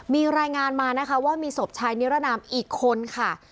มีรายงานมานะคะว่ามีศพชายนิรนามอีกคนค่ะ